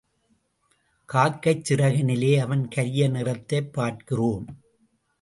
காக்கைச் சிறகினில் அவன் கரிய நிறத்தைப் பார்க்கிறோம்.